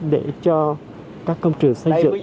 để cho các công trường xây dựng